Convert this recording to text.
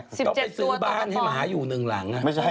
๑๗ตัวตกกระป๋องต้องไปซื้อบ้านให้หมาอยู่หนึ่งหลังน่ะ